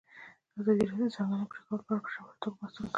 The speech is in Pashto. ازادي راډیو د د ځنګلونو پرېکول په اړه په ژوره توګه بحثونه کړي.